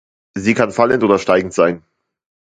Sie kann fallend oder steigend sein.